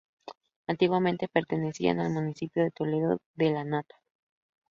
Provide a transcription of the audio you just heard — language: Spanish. Antiguamente pertenecía al municipio de Toledo de lanata.